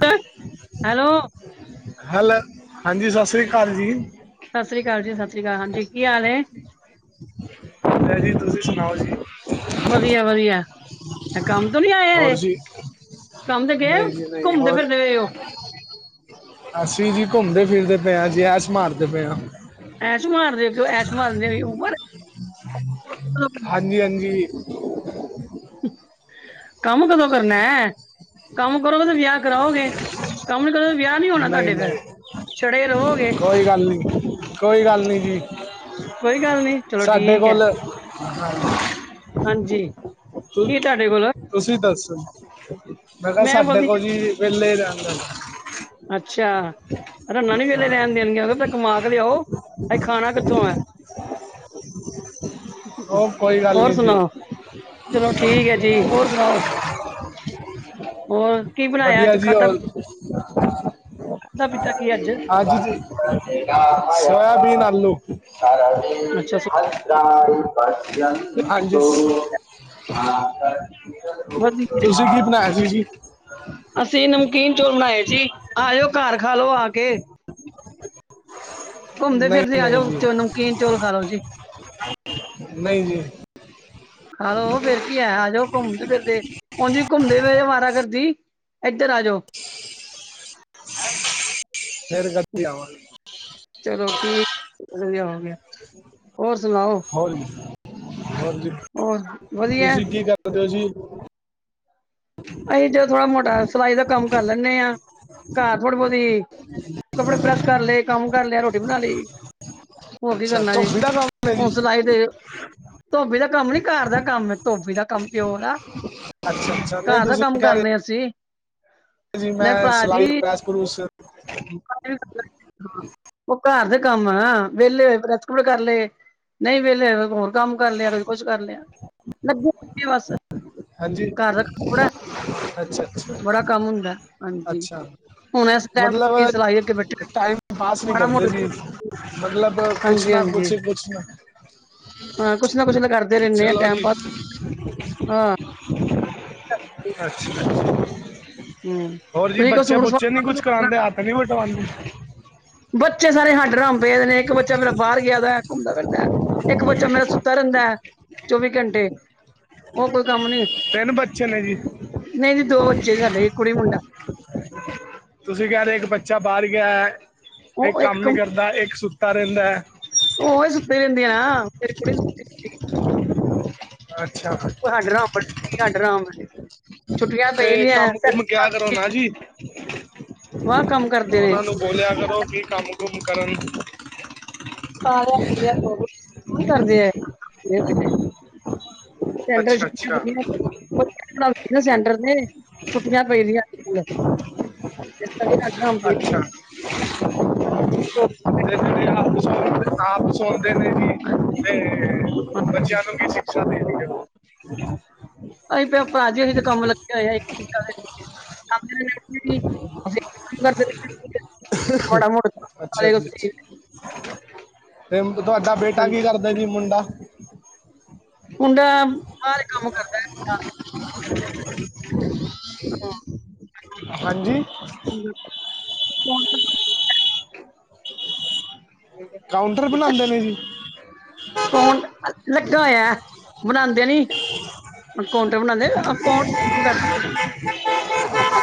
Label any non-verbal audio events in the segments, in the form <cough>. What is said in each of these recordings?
ਤ hello hello, ਹਾਂਜੀ ਸਸ੍ਰੀ ਅਕਾਲ ਜੀ ਸਸ੍ਰੀ ਅਕਾਲ ਜੀ- ਸਸ੍ਰੀ ਅਕਾਲ ਹਾਂਜੀ ਕੀ ਹਾਲ ਹੈ ਠੀਕ ਹੈ ਜੀ ਤੁਸੀਂ ਸੁਣਾਓ ਜੀ ਵਧੀਆ- ਵਧੀਆ ਅ ਕੰਮ ਤੋਂ ਨੀ ਆਏ ਹੋਰ ਹਜੇ ਜੀ ਕੰਮ ਤੇ ਗਏ ਨਹੀਂ ਜੀ ਨਹੀਂ ਘੁੰਮਦੇ ਹੋਰ ਫਿਰਦੇ ਪਏ ਹੋ ਅਸੀਂ ਜੀ ਘੁੰਮਦੇ ਫਿਰਦੇ ਪਏ, ਜੀ ਐਸ ਮਾਰਦੇ ਪਏ ਹਾਂ ਐਸ ਮਾਰਦੇ ਪਏ ਐਸ ਮਾਰਨ ਦੀ ਕੋਈ ਉਮਰ ਹਾਂਜੀ-ਹਾਂਜੀ ਕੰਮ ਕਦੋਂ ਕਰਨਾ ਹੈ, ਕੰਮ ਕਰੋਗੇ ਤੇ ਵਿਆਹ ਕਰਾਓਗੇ ਕੰਮ ਨੀ ਕਰੋਗੇ, ਵਿਆਹ ਨੀ ਹੋਣਾ ਨਹੀਂ ਤੁਹਾਡੇ ਫਿਰ ਨਹੀਂ ਕੋਈ ਗੱਲ ਨੀ-ਕੋਈ ਗੱਲ ਨੀ ਜੀ ਕੋਈ ਗੱਲ ਨੀ ਚਲੋ ਸਾਡੇ ਠੀਕ ਐ ਕੋਲ ਹਾਂਜੀ ਹਾਂਜੀ ਤੁ ਕੀ ਤੁਹਾਡੇ ਕੋਲ ਤੁਸੀਂ ਦੱਸੋ ਮੈਂ ਕਿਹਾ ਸਾਡੇ ਕੋਲ ਜੀ ਵੇਲੇ ਰਹਿੰਦਾ ਅੱਛਾ, ਰੰਨਾ ਨੀ ਵੇਲੇ ਰਹਿਣ ਦੇਣਗੀਆਂ ਉਹ ਕਮਾ ਕੇ ਲਿਆਓ ਅਸੀ ਖਾਣਾ ਕਿੱਥੋਂ ਐ ਉਹ ਕੋਈ ਗੱਲ ਹੋਰ ਨਹੀਂ ਜੀ ਸੁਣਾਓ, ਚਲੋ ਠੀਕ ਐ ਜੀ ਔਰ ਸੁਣਾਓ, ਹੋਰ ਕੀ ਬਣਾਇਆ ਵਧੀਆ ਅੱਜ ਜੀ ਖਾਧਾ ਹੋਲ, ਖਾਧਾ ਪੀਤਾ ਕੀ ਅੱਜ ਹਾਂਜੀ ਜੀ ਸੋਇਆਬੀਨ ਆਲੂ ਅੱਛਾ ਹਾਂਜੀ ਤੁਸੀ ਵਧੀਆ ਕੀ ਬਣਾਇਆ ਸੀ ਜੀ ਅਸੀਂ ਨਮਕੀਨ ਚੋਲ ਬਣਾਏ ਸੀ, ਆਜੋ ਘਰ ਖਾ ਲਓ ਆ ਕੇ <inaudible> ਘੁੰਮਦੇ ਨਹੀਂ ਫਿਰਦੇ ਆਜੋ ਵਿਚੋ ਨਮਕੀਨ ਚੋਲ ਖਾ ਲੋੋ ਜੀ ਨਹੀ ਜੀ ਖਾ ਲਓ ਫਿਰ ਕੀ ਹੋਇਆ ਆਜੋ ਘੁੰਮਦੇ ਫਿਰਦੇ, ਉਂਝ ਵੀ ਘੁੰਮਦੇ ਪਏ ਅਵਾਰਾ ਕਰਦੀ ਇਧਰ ਆ ਜਓ ਸੈਰ ਕਰਦੇ ਆਵਾਂਗੇ ਚਲੋ ਠੀਕ ਵਧੀਆ ਹੋ ਗਿਆ ਹੋਰ ਸੁਣਾਓ ਹੋਰ ਜੀ ਹੋਰ ਜੀ ਹੋਰ ਵਧੀਆ ਤੁਸੀਂ ਕੀ ਕਰਦੇ ਓ ਜੀ ਅਸੀਂ ਜ ਥੋੜਾ ਮੋਟਾ ਸਿਲਾਈ ਦਾ ਕੰਮ ਕਰ ਲੈਂਦੇ ਹਾਂ, ਘਰ ਥੋੜਾ ਬਹੁਤੀ ਕੱਪੜੇ ਪ੍ਰੈੱਸ ਕਰ ਲਏ, ਕੰਮ ਕਰ ਲਿਆ, ਰੋਟੀ ਬਣਾ ਲੀ ਹੋਰ ਕੀ ਅੱਛਾ ਕਰਨਾ ਜੇ, ਧੋਬੀ ਦਾ ਕੰਮ ਹੈ ਜੀ ਹੁਣ ਸਿਲਾਈ ਦੇ ਧੋਬੀ ਦਾ ਕੰਮ ਨੀ, ਘਰ ਦਾ ਕੰਮ, ਧੋਬੀ ਦਾ ਕੰਮ ਪਿਓ ਵਾਲਾ ਅੱਛਾ-ਅੱਛਾ ਘਰ ਦਾ ਕੰਮ ਕਰਨੇ ਅਸੀਂ, ਮੈਂ ਭਰਾਜੀ ਚ <unintelligible> ਹਾਂ ਉਹ ਘਰ ਦੇ ਕੰਮ ਆ ਵਿਹਲੇ ਹੋਏ ਪ੍ਰੈਸ ਪ੍ਰੈਸੂਲ ਕਰ ਲਏ ਨਹੀਂ ਵਿਹਲੇ ਹੋ ਕੰਮ ਕਰ ਲਿਆ, ਕਦੀ ਕੁਛ ਕਰ ਲਿਆ, ਲੱਗੀ ਹੋਈ ਬਸ ਹਾਂਜੀ ਘਰ ਰੱਖ ਥੋੜਾ, ਅੱਛਾ ਅੱਛਾ ਬੜਾ ਕੰਮ ਹੁੰਦਾ ਹਾਂਜੀ ਅੱਛਾ ਹੁਣ ਇਸ ਟੈਮ ਟਾਈਮ ਪਾਸ ਨੀ ਕਰਦੇ ਮੋਟਾ ਸੀ। ਮਤਲਬ ਕੁਛ ਹਾਂਜੀ ਨਾ ਹਾਂਜੀ ਕੁਛ, ਕੁਛ ਨਾ ਹਾਂ ਕੁਛ ਨਾ ਕੁਛ ਤਾਂ ਕਰਦੇ ਰਹਿੰਦੇ ਆ, ਚਲੋ ਟੈਮ ਜੀ ਪਾਸ ਹਾਂ। ਅੱਛਾ। ਹੂੰ ਹੋਰ ਜੀ ਤੁਸੀਂ ਕੋਈ ਬੱਚੇ ਸੂਟ ਬੁੱਚੇ ਨੀ ਕੁਝ ਸਵਾ ਕਰਾਂਦੇ, ਹੱਥ ਨੀ ਵਟਾਉਂਦੇ। ਬੱਚੇ ਸਾਰੇ ਹੱਡਰਮ ਪਏ ਦੇ ਨੇ, ਇੱਕ ਬੱਚਾ ਮੇਰਾ ਬਾਰ ਗਿਆ ਦਾ, ਘੁੰਮਦਾ ਫਿਰਦਾ ਐ, ਇੱਕ ਬੱਚਾ ਮੇਰਾ ਸੁੱਤਾ ਰਹਿੰਦਾ ਹੈ ਚੌਵੀ ਘੰਟੇ। ਉਹ ਕੋਈ ਕੰਮ ਨੀ, ਤਿੰਨ ਬੱਚੇ ਨੇ ਜੀ ਨਹੀਂ ਜੀ ਦੋ ਬੱਚੇ ਸਾਡੇ, ਕੁੜੀ- ਮੁੰਡਾ। ਤੁਸੀਂ ਕਹਿ ਰਹੇ ਇੱਕ ਬੱਚਾ ਬਾਰ ਗਿਆ ਐ, ਇੱਕ ਕੰਮ ਨੀ ਕਰ ਦਾ, ਇੱਕ ਸੁੱਤਾ ਰਹਿੰਦਾ ਐ। ਉਹੀ ਸੁੱਤੀ ਰਹਿੰਦੀ ਆਂ ਨਾ, ਮੇਰੀ ਕੁੜੀ ਸੁੱਤੀ ਰਹਿੰਦੀ। ਅੱਛਾ ਹਡਰਾਮ ਬਣ ਗਈ ਹੱਡਰਾਮ। ਛੁੱਟੀਆਂ ਪਈ ਤੇ ਦੀਆਂ ਕੰਮ ਕੁਮ ਕਿਆ ਕਰੋ ਨਾ ਜੀ ਸੁਆ ਕੰਮ ਕਰਦੇ ਨੇ। ਉਹਨਾਂ ਨੂੰ ਬੋਲਿਆ ਕਰੋ ਕੀ ਕੰਮ ਕੁਮ ਕਰਨ। ਖਾ ਲਿਆ, ਪੀ ਲਿਆ, ਸੋਂ ਗਏ ਓਹੀ ਕਰਦੇ ਆ। ਕਹਿੰਦੇ ਅੱਛਾ ਛੁੱਟੀਆਂ ਅੱਛਾ ਪਈਆਂ ਤੇ ਬੱਚੇ ਪੜਾਦੀ ਨਾ ਸੈਂਟਰ ਦੇ, ਛੁੱਟੀਆਂ ਪਈਦੀਆਂ ਸਕੂਲ। ਨੇ। ਅੱਛਾ। ਹਾਂਜੀ ਤੇ ਜਿਹੜੇ ਆਪ, ਆਪ ਸੌਦੇ ਨੇ- ਹਾਂਜੀ ਤੇ, ਹਾਂਜੀ ਬੱਚਿਆਂ ਨੂੰ ਕੀ ਸ਼ਿਕਸ਼ਾ ਦੇਣਗੇ ਓਹ। ਅਸੀਂ ਪ ਭਾਜੀ ਅਜ ਅਹੀ ਤੇ ਕੰਮ ਲੱਗੇ ਹੋਏ ਆ, ਇੱਕ- <unintelligible> ਮਾੜਾ ਮੋਟਾ ਅੱਛਾ ਸਾਰੇ ਜੀ, ਅਸੀਂ ਅੱਛਾ। ਤੇ ਤੁਹਾਡਾ ਬੇਟਾ ਕੀ ਹਾਂਜੀ ਕਰਦਾ ਜੀ, ਮੁੰਡਾ? ਮੁੰਡਾ, ਬਾਹਰ ਕੰਮ ਕਰਦਾ। ਹੈ <unintelligible> ਅਹਾ ਹਾਂਜੀ! <unintelligible> <unintelligible> ਕਾਉੰਟਰ ਬਣਾਦੇ ਨੇ ਜੀ? ਅਕਾਉੰਟ ਲੱਗਾ ਹੋਇਆ, ਬਣਾਦੇ ਨੀ। ਕਾਉੰਟਰ ਬਣਾਦੇ ਅ ਅਕਾਊਂਟ ਕਰ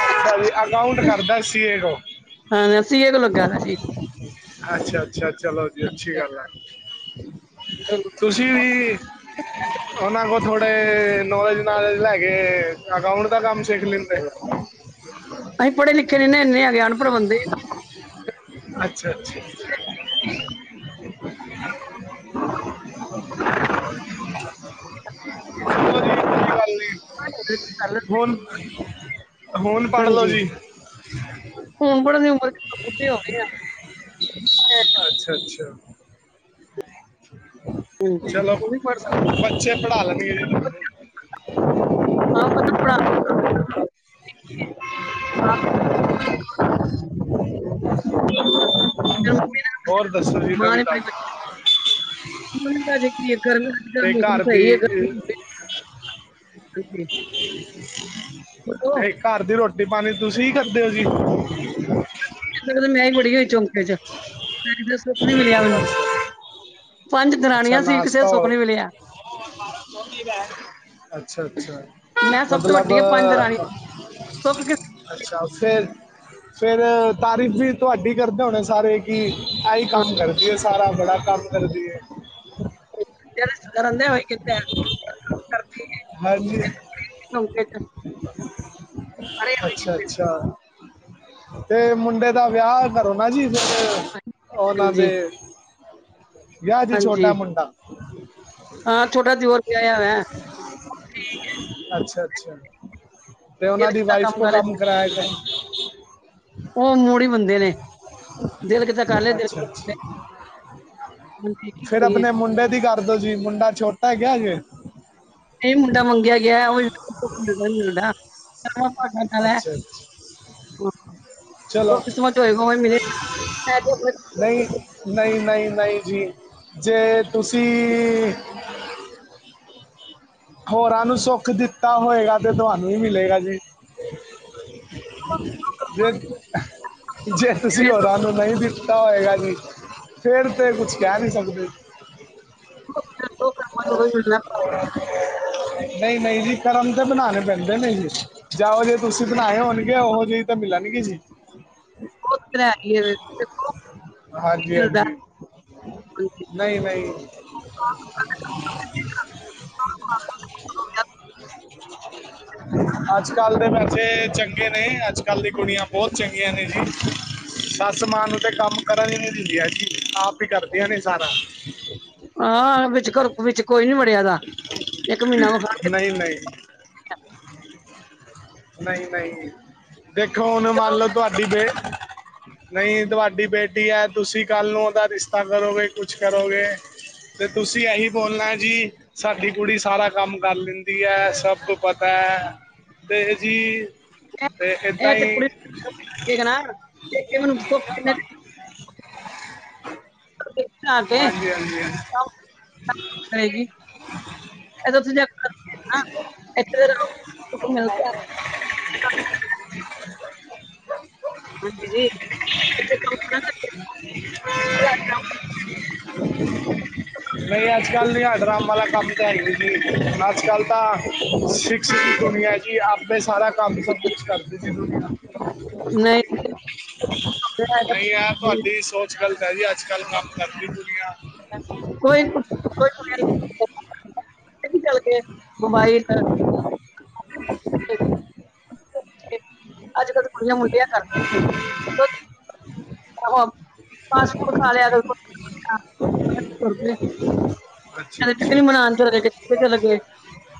ਅੱਛਾ ਜੀ ਅਕਾਊਂਟ ਕਰਦਾ ਸੀਏ ਕੋ ਹਾਂਜੀ, ਸਵੇਰ ਦਾ ਲੱਗਾ ਦਾ ਜੀ। ਅੱਛਾ, ਅੱਛਾ, ਚਲੋ ਜੀ, ਅੱਛੀ ਗੱਲ ਆ। ਤੁਸੀਂ ਵੀ ਉਹਨਾਂ ਕੋਲ- ਥੋੜੇ ਨੌਲੇਜ ਨਾਲਜ ਲੈ ਕੇ, ਅਕਾਊਂਟ ਦਾ ਕੰਮ ਸਿੱਖ ਲੈਂਦੇ। ਅਹੀਂ ਪੜ੍ਹੇ ਲਿਖੇ ਨੀ ਇੰਨੇ ਹੈਗੇ, ਅਨਪੜ੍ਹ ਬੰਦੇ ਆ। ਅੱਛਾ, ਅੱਛਾ, ਅੱਛਾ ਗੱਲ ਏ ਕਰ ਲੈਣ ਹੁਣ, ਹੁਣ ਪੜ੍ਹ ਲਓ ਹਾਂਜੀ ਜੀ। ਹੁਣ ਪੜਨ ਦੀ ਉਮਰ ਕਿਥੇ, ਬੁੱਢੇ ਹੋ ਗਏ ਆ। ਅੱਛਾ, ਅੱਛਾ। ਹਾਂਜੀ ਚਲੋ, ਉਹ ਵੀ ਪੜ੍ਹ ਬੱਚੇ ਪੜ੍ਹਾ ਲੈਣਗੇ ਜੀ ਤੁਹਾਨੂੰ। ਸਕਦੇ ਹਾਂ, ਮਤਲਬ ਪੜਾ - <unintelligible> ਮੇਰੀ ਹੋਰ, ਦੱਸੋ ਜੀ! ਨਵੀ ਤਾਜੀ ਮਨਿਕਾ ਜੇ ਕੀਏ, ਘਰ ਤੇ ਨਕ ਘਰ ਦੀ ਸਹੀ ਹੈ। ਅਹ, ਹਾਂਜੀ। ਤੇ, ਘਰ ਦੀ ਰੋਟੀ ਪਾਣੀ ਤੁਸੀਂ ਹੀ ਕਰਦੇ ਓ ਜੀ। <unintelligible> ਮੈਂ ਹੀ ਵੜੀ ਹੋਈ ਚੌਂਕੇ ਚ, ਮੈਨੂੰ ਤੇ ਸੁੱਖ ਨੀ ਮਿਲਿਆ ਮੈਨੂੰ। ਪੰਜ ਦਰਾਣੀਆਂ ਸੀ, ਕਿਸੇ ਨੂੰ ਸੁੱਖ ਨਹੀਂ ਮਿਲਿਆ। ਅੱਛਾ-ਅੱਛਾ, ਮਤਲਬ ਸੋਖ ਕਿ- ਅੱਛਾ। ਫਿਰ, ਫਿਰ ਤਾਰੀਫ ਵੀ ਤੁਹਾਡੀ ਕਰਦੇ ਹੋਣੇ ਸਾਰੇ ਕਿ- ਆਹੀ ਹਾਂ, ਕੰਮ ਕਰਦੀ ਆ ਸਾਰਾ, ਬੜਾ ਕੰਮ ਕਰਦੀ ਹੈ ਜਿਹੜਾ ਰਿਸ਼ਤੇਦਾਰ ਆਉਂਦਾ, ਓਹੀ ਕਹਿੰਦਾ ਕਰਦੀ ਏ ਹਾਂਜੀ ਚੌਂਕੇ ਚ ਸਾਰੇ ਹੋਏ ਕਿਤੇ ਅੱਛਾ-ਅੱਛਾ। ਤੇ ਮੁੰਡੇ ਦਾ ਵਿਆਹ ਕਰੋ ਨਾ ਜੀ ਫਿਰ ਹਾਂਜੀ ਉਹਨਾਂ ਹਾਂਜੀ ਦੇ ਵਿਆਹ ਜੀ ਚ ਜੀ। ਹਾਂ, ਛੋਟਾ ਦਿਓਰ ਵਿਆਇਆ ਹੋਇਐ‌। ਅੱਛਾ-ਅੱਛਾ ਤੇ ਦਿਲ ਉਹਨਾਂ ਦੀ ਕਿਤਾ ਵਾਈਫ ਕੋ ਕਰ ਲੈ ਕੰਮ ਕਰਾਇਆ ਕਰੋ ਉਹ ਮੂੜੀ ਬੰਦੇ ਨੇ ਦੇਲ ਕਿਤੇ ਕਰ ਲੇ ਦੇਲ ਅੱਛਾ ਫੇਰ ਆਪਣੇ ਮੁੰਡੇ ਦੀ ਕਰਦੋ ਜੀ। ਮੁੰਡਾ ਛੋਟਾ ਹੈਗਾ ਅਜੇ ਨ‌ਈ ਮੁੰਡਾ ਮੰਗਿਆ ਗਿਆ। ਉਹ <unintelligible> ਮਿਲਦਾ ਨੀ ਮਿਲਦਾ ਅਗੋ ਅੱਛਾ-ਅੱਛਾ ਜੋ ਕਿਸਮਤ ਚ ਹੋਏਗਾ, ਉਈ ਮਿਲੇਗਾ ਨਹੀਂ <unintelligible> ਨਹੀਂ, ਨਹੀਂ, ਨਹੀਂ ਜੀ। ਜੇ ਤੁਸੀਂ ਹੋਰਾਂ ਨੂੰ ਸੋਖ ਦਿੱਤਾ ਹੋਏਗਾ ਤੇ ਤੁਹਾਨੂੰ ਵੀ ਮਿਲੇਗਾ ਜੀ। ਜ--ਜੇ ਤੁਸੀਂ ਜਿਵੇਂ ਸਭ ਹੋਰਾਂ ਨੂੰ ਨ‌ਈ ਦਿੱਤਾ ਹੋਏਗਾ ਜੀ, ਫੇਰ ਤੇ ਕੁਛ ਕਹਿ ਨਹੀਂ ਸਕਦੇ। ਲੋਕ ਮਨ ਰ ਨ ਨ‌ਈ, ਨ‌ਈ ਜੀ ਕਰਮ ਤੇ ਬਨਾਨੇ ਪੈਂਦੇ ਨੇ ਜੀ ਜਾਓ ਜੇ ਤੁਸੀਂ ਬਨਾਏ ਹੋਨ ਗੇ, ਉਹੋ ਜਿਹੀ ਤੇ ਮਿਲਨਗੇ ਜੀ। <unintelligible> ਕੀ ਹਾਂਜੀ, ਮਿਲਦਾ ਹਾਂਜੀ। ਨ‌ਈ, ਨ‌ਈ <unintelligible> ਅੱਜ-ਕੱਲ ਦੇ ਬੈਚੇ ਚੰਗੇ ਨੇ, ਅੱਜ ਕੱਲ ਦੀ ਕੁੜੀਆਂ ਬੌਤ ਚੰਗੀਆਂ ਨੇ ਜੀ। ਸੱਸ-ਮਾਂ ਨੂੰ ਤੇ ਕੰਮ ਕਰਨ ਹੀ ਨੀ ਦਿੰਦੀਆਂ ਜੀ। ਆਪ ਹੀ ਕਰਦੀਆਂ ਨੇ ਸਾਰਾ ਹਾਂ, ਵਿੱਚ ਘਰੋਂ ਵਿੱਚ ਕੋਈ ਨੀ ਵੜਿਆ ਏਦਾ ਇੱਕ ਮਹੀਨਾ ਮਖਾਗੇ ਨ‌ਈ, ਨ‌ਈ <unintelligible> ਨ‌ਈ, ਨ‌ਈ। ਦੇਖੋ! ਹੁਣ ਮੰਨ ਚਲੋ ਲੋ ਤੁਹਾਡੀ ਬੇ ਨ‌ਈ ਤੁਹਾਡੀ ਬੇਟੀ ਏ। ਤੁਸੀਂ ਕੱਲ ਨੂੰ ਉਦਾ ਰਿਸ਼ਤਾ ਕਰੋਗੇ ਕੁਛ ਕਰੋਗੇ ਤੇ ਤੁਸੀਂ ਏਹੀ ਬੋਲਣਾ ਏ ਜੀ। ਸਾਡੀ ਕੁੜੀ ਸਾਰਾ ਕੰਮ ਕਰ ਲੈਂਦੀ ਐ ਸਬ ਕੋ ਪਤੈ। ਤੇ ਜੀ, ਤੇ ਇਹ- ਇਹ ਏਦਾਂ ਤੇ ਈ ਕੁੜੀ ਠੀਕ ਨਾ, ਏ ਮੈਨੂੰ ਉਸ ਤੋਂ ਏਨਾਂ ਦੀ ਦੇਖ ਕੇ ਆਗੇ, ਹਾਂਜੀ ਹਾਂਜੀ ਹਾਂਜੀ। ਓ <unintelligible> ਕਏਗੀ। ਏਦਾ ਓਥੇ ਜਾ ਕੇ ਕਰਕੇ ਨਾ <unintelligible> ਸੁਖ ਮਿਲਦਾ। ਹਾਂਜੀ ਜੀ, ਏਥੇ ਕੌਂਟਰ ਆ ਨਾ <unintelligible> ਨਈਂ ਅੱਜ-ਕੱਲ ਨਈਂ ਆ ਡਰੰਮ ਆਲਾ ਕੰਮ ਤਾਂ ਹੈ ਨੀ ਜੀ ਅੱਜ-ਕੱਲ ਤਾਂ ਸਿਕਸ ਦੀ ਨਹੀਂ ਦੁਨੀਐ ਜੀ ਆਪੇ ਸਾਰਾ ਕੰਮ ਸਬ ਕੁਛ ਕਰਦੀ ਸੀ ਦੁਨੀਆਂ। ਜੀ, ਇਹ ਨਈ ਯਾਰ ਤਾਂ ਘਰ ਦੀ ਸੋਚ ਗੱਲ ਪੈ ਰਈ ਐ ਅੱਜ-ਕੱਲ ਕੰਮ ਕਰਦੀ ਨੀ ਦੁਨੀਆਂ। ਕੋਈ ਨੂੰ- ਏ ਵੀ ਗੱਲ ਤੇ ਐ, ਮੋਬਾਇਲ ਠੀਕ, ਅੱਜ-ਕੱਲ ਤੇ ਕੁੜੀਆਂ ਮੁੰਡੇ ਐ ਕਰ ਦਿੰਦੇ ਨੇ ਪਾਲੋ, ਪਾਸਪੋਟ ਆ ਗੇਆ ਤਾਂ ਦੇਖੋ <unintelligible> ਸੌ ਰਪਈਆ। ਹ ਕਦੇ ਕਿਤੇ ਵੀ ਮਨਾਨ ਚਲੇਗੇ ਚਲਗੇ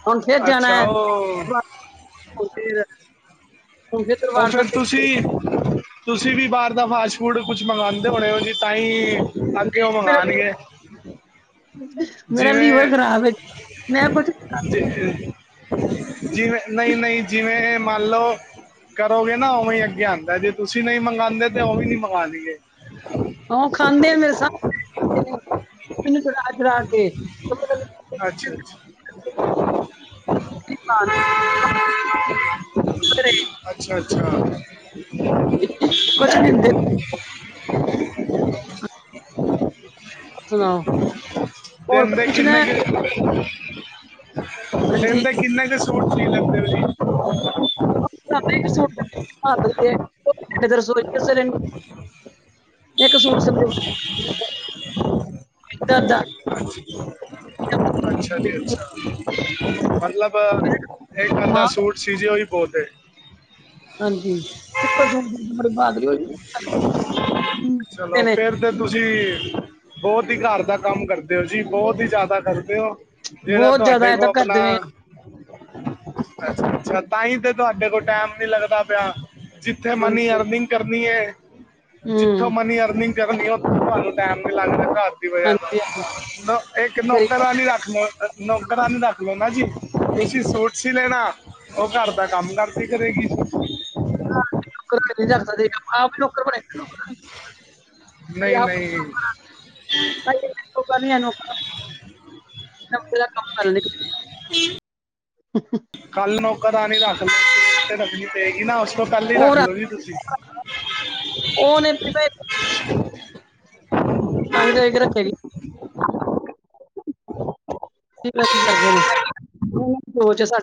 ਹੁਨ ਫੇਰ ਜਾਨੈ ਅੱਛਾ ਉਹ ਹੁਨ ਠੀਕ ਐ। ਹੁਨ ਫੇਰ ਤੁਸੀਂ ਤੁਸੀਂ ਵੀ ਬਾਰ ਦਾ ਫਾਸਟ ਫੂਡ ਕੁਛ ਮੰਗਾਂਦੇ ਹੋਨੇ ਓ ਜੀ ਤਾਂਈ ਅੱਗੇ ਓ ਜੀ, ਮੇਰਾ ਮੰਗਾਨਗੇ। ਲੀਵਰ ਮੇਰਾ ਲੀਵਰ ਖ਼ਰਾਬ ਏ, ਮੈਂ ਕੁੱਛ ਜ ਜਿਵੇਂ ਨਈਂ-ਨਈਂ ਜਿਵੇਂ ਮੰਨ ਲਓ ਕਰੋਗੇ ਨਾ ਓਵੇਂ ਈ ਅੱਗੇ ਆਂਦਾ ਜੇ ਤੁਸੀਂ ਨਈਂ ਮੰਗਾਂਦੇ ਤੇ ਓ ਵੀ ਨਈਂ ਮੰਗਾਨਗੇ। ਹਾਂ ਖਾਂਦੇ ਨੇ ਮੇਰੇ ਸਾਬ ਨਾਲ ਖਾਂਦੇ ਨੇ। ਮੈਨੂੰ ਚਿੜਾ-ਚਿੜਾ ਕੇ ਅੱਛਾ ਅੱਛਾ <unintelligible> <inaudible> ਅੱਛਾ-ਅੱਛਾ। ਕੁਛ ਨੀ ਹੁੰਦੇ ਸੁਣਾਓ ਹੋਰ ਕੁਛ ਦੇਂਦੇ ਪੁੱਛਣਾ ਕਿੰਨੇ ਹੈ ਕ ਦਿਨ ਹਾਂਜੀ ਦੇ ਕਿੰਨੇ ਕ ਸੂਟ ਚਈਦੇ ਹੁੰਦੇ ਨੇ ਜੀ। <inaudible> ਇੱਕ ਸੂਟ ਸਿਲਦੇ, ਦਰਦਾ ਅੱਛਾ ਜੀ ਅੱਛਾ। ਮਤਲਬ ਏਕ ਬੰਦਾ ਮਾਂ ਸੂਟ ਸੀ ਜੇ ਓਈ ਬੋਤ ਐ। ਹਾਂਜੀ, ਇੱਕੋ ਸੂਟ ਨਾਲ ਫੇਰ ਬਹਾਦਰੀ ਹੋਏਗੀ। ਚਲੋ ਨੇ ਫੇਰ ਤੇ ਤੁਸੀਂ ਬੋਤ ਈ ਘਰ ਦਾ ਕੰਮ ਕਰਦੇ ਓਂ ਜੀ ਬੋਤ ਈ ਜਾਦਾ ਕਰਦੇ ਓਂ। ਜੇੜਾ ਬਹੁਤ ਜ਼ਿਆਦਾ ਤੁਆਡੇ ਕੋਲ ਏਦਾਂ ਆਪਨਾ ਕਰਦੇ ਨੇ ਅੱਛਾ-ਅੱਛਾ ਤਾਂਈ ਤੇ ਤੁਆਡੇ ਕੋਲ ਟੈਮ ਨੀ ਲੱਗਦਾ ਪਿਆ। ਜਿੱਥੇ ਹਾਂਜੀ ਮਨੀ ਹਾਂਜੀ ਅਰਨਿੰਗ ਕਰਨੀ ਐ, ਜਿੱਥੋਂ ਹੂੰ ਮਨੀ ਅਰਨਿੰਗ ਕਰਨੀ ਐ ਵੰਨ ਟੈਮ। ਅਲੱਗ ਕਰ ਦਿਓ ਯਾਰ, ਹਾਂਜੀ ਹਾਂਜੀ ਨਾ ਇਕ ਨੌਕਰ ਨੌਕਰਾਨੀ ਰੱਖਲੋ ਇਕ ਨੌਕਰਾਂ ਨੂੰ ਰੱਖ ਲੈਨਾ ਜੀ, ਤੁਸੀ ਸੂਟ ਸੀਅ ਲੈਨਾ। ਓ ਘਰ ਦਾ ਕੰਮ ਕਰਦੀ ਕਰੇਗੀ। <inaudible> ਆਪ ਨੂੰ ਨਹੀਂ ਨਹੀਂ <inaudible> ਕਰੀ ਐ ਨੂੰ <inaudible> <unintelligible> ਕੱਲ ਨੌਕਰਾਣੀ ਰੱਖ ਲੋ <inaudible> ਤੇ ਗੀ ਨਾ ਉਸ ਤੋਂ ਪਹਿਲਾਂ ਈ ਰੱਖ ਲੋ ਜੀ ਤੁਸੀਂ। ਉਨੇ ਏਧਰ ਭੇਜ ਤੇ, ਤਾਂ ਈ ਸ਼ਾਇਦ ਰੱਖੇਗੀ। ਕੀ ਪਤਾ ਕੀ ਕਰਦੇ ਨੇ, ਓ‌ ਉਨਾਂ ਦੀ ਸੋਚ ਏ ਸਾਡੀ